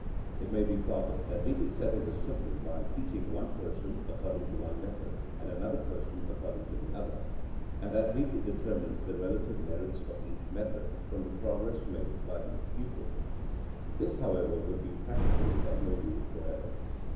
It may be thought that we could settle this simply by teaching one person according to one method and another person according to the other, and that we could determine the relative merits of each method from the progress made by each pupiL This, however, would be practically of no use whatever.